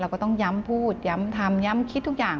ก็ต้องย้ำพูดย้ำทำย้ำคิดทุกอย่าง